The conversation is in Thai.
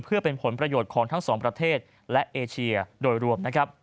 เพื่อเป็นผลประโยชน์ของทั้งสองประเทศและเอเชียโดยรวมนะครับ